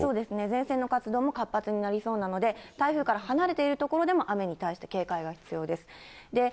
前線の活動も活発になりそうなので、台風から離れている所でも、雨に対して警戒が必要です。